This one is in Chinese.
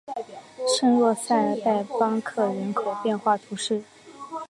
圣若塞代邦克人口变化图示